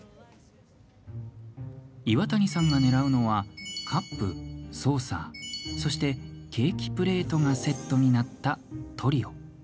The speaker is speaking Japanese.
岩谷さんがねらうのはカップ、ソーサーそして、ケーキプレートがセットになったトリオ。